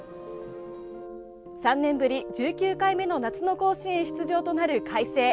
３年ぶり１９回目の夏の甲子園出場となる海星。